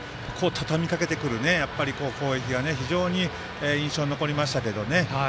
たたみかけてくる攻撃が非常に印象に残りましたけれども。